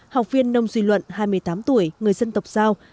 học viên nông duy luận hai mươi tám tuổi người dân tộc giao